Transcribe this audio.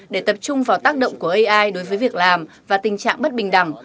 để tập trung vào tác động của ai đối với việc làm và tình trạng bất bình đẳng